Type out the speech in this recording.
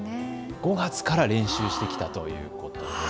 ５月から練習してきたということです。